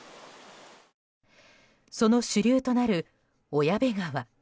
その主流となる小矢部川。